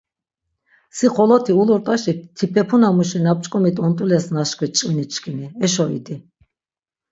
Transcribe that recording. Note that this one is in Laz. Si xoloti ulurt̆aşi tipepuna muşi na p̆ç̆k̆omit ont̆ules naşkvi ç̌vini çkini, eşo idi.